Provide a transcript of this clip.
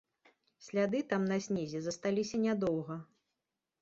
Сляды там на снезе засталіся нядоўга.